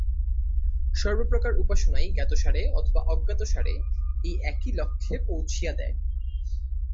সর্বপ্রকার উপাসনাই জ্ঞাতসারে অথবা অজ্ঞাতসারে এই একই লক্ষ্যে পৌঁছিয়া দেয়।